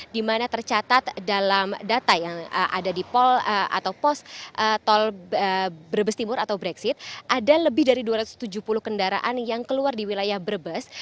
di mana tercatat dalam data yang ada di pol atau pos tol brebes timur atau brexit ada lebih dari dua ratus tujuh puluh kendaraan yang keluar di wilayah brebes